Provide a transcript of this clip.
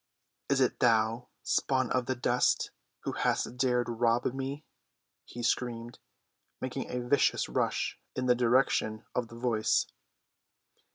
"Is it thou, spawn of the dust, who hast dared rob me?" he screamed, making a vicious rush in the direction of the voice.